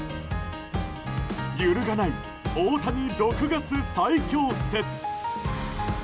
揺るがない、大谷６月最強説。